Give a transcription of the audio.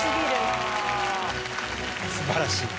素晴らしい。